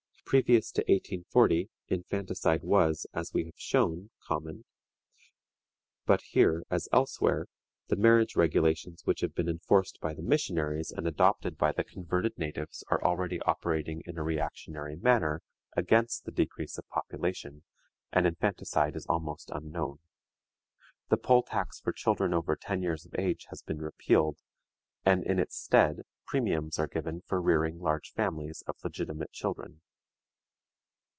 Previous to 1840, infanticide was, as we have shown, common. But here, as elsewhere, the marriage regulations which have been enforced by the missionaries and adopted by the converted natives are already operating in a reactionary manner against the decrease of population, and infanticide is almost unknown. The poll tax for children over ten years of age has been repealed, and in its stead premiums are given for rearing large families of legitimate children.